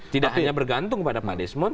tidak hanya bergantung kepada pak desmond